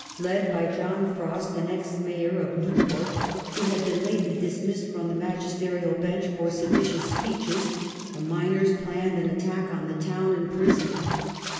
Led by John Frost, an ex Mayor of Newpwt, who had been lately dismissed from the magisterial bench for seditious speeches, the miners planned an attack on the town and prison.